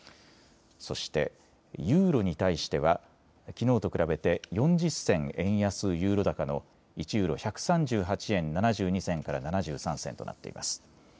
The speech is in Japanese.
そして、ユーロに対してはきのうと比べて４０銭円安ユーロ高の１ユーロ１３８円７２銭から７３銭となっています。